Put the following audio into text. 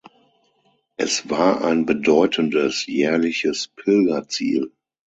Es war ein bedeutendes jährliches Pilgerziel.